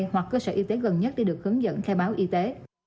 hoặc cơ sở y tế gần nhất để được hướng dẫn khai báo y tế